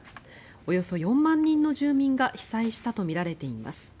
およそ４万人の住民が被災したとみられています。